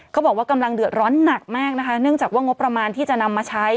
กำลังเดือดร้อนหนักมากนะคะเนื่องจากว่างบประมาณที่จะนำมาใช้